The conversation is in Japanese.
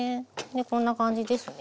こんな感じですね。